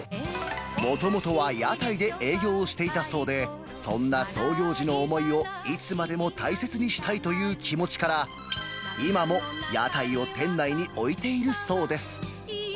もともとは屋台で営業していたそうで、そんな創業時の思いをいつまでも大切にしたいという気持ちから、今も屋台を店内に置いているそうです。